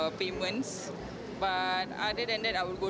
untuk kemudahan saya akan memilih uang digital